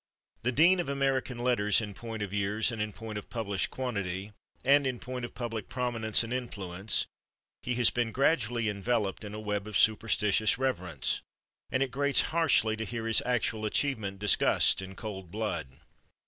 The dean of American letters in point of years, and in point of published quantity, and in point of public prominence and influence, he has been gradually enveloped in a web of superstitious reverence, and it grates harshly to hear his actual achievement discussed in cold blood.